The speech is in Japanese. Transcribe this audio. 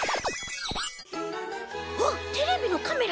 うわっテレビのカメラ？